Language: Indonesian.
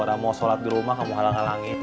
orang mau sholat di rumah kamu halang halangin